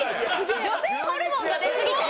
女性ホルモンが出すぎて。